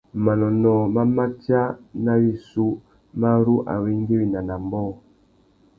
Manônōh má matia nà wissú mà ru awéngüéwina nà ambōh.